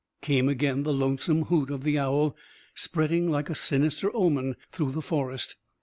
Came again the lonesome hoot of the owl, spreading like a sinister omen through the forest.